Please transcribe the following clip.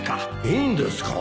いいんですか？